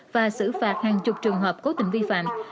và xử phạt hàng chục trường hợp cố tình vi phạm